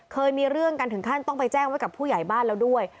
เคยมีเรื่องกันถึงขั้นต้องไปแจ้งไว้กับผู้ใหญ่บ้านแล้วด้วย